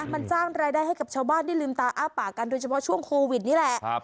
มันสร้างรายได้ให้กับชาวบ้านได้ลืมตาอ้าปากกันโดยเฉพาะช่วงโควิดนี่แหละ